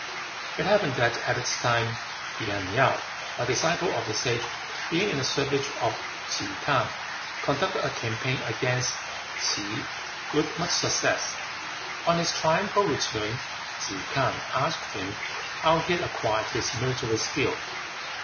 It happened that at this time Yen Yew, a disciple of the Sage, being in the service of Ke K'ang, conducted a campaign against T'se with much success. On his triumphal return, Ke K'ang asked him how he had acquired his military skill.